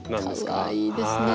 かわいいですね。